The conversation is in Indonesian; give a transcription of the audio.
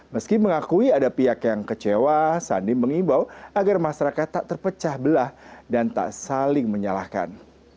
meski mengakui ada pihak yang kecewa sandi mengimbau agar masyarakat tak terpecah belah dan tak saling menyalahkan